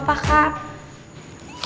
yaudah gak apa apa